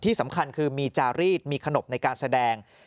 ที่สำคัญคือมีจารีดมีขนบในการแสดง